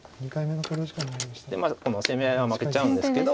この攻め合いは負けちゃうんですけど。